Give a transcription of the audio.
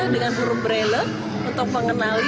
dengan huruf braille untuk mengenali